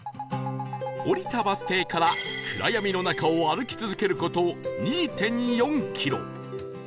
降りたバス停から暗闇の中を歩き続ける事 ２．４ キロ